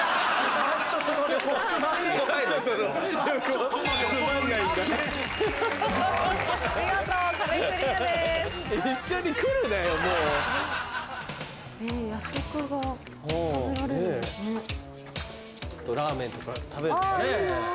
ちょっとラーメンとか食べるのかね？